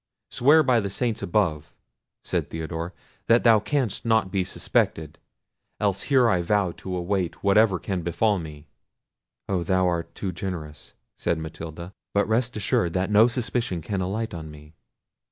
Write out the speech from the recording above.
"Swear by the saints above," said Theodore, "that thou canst not be suspected; else here I vow to await whatever can befall me." "Oh! thou art too generous," said Matilda; "but rest assured that no suspicion can alight on me."